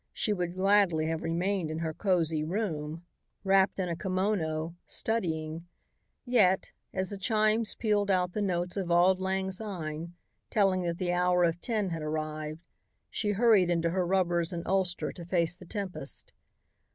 She would gladly have remained in her cozy room, wrapped in a kimono, studying, yet, as the chimes pealed out the notes of Auld Lang Syne, telling that the hour of ten had arrived, she hurried into her rubbers and ulster to face the tempest.